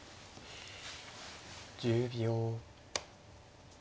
１０秒。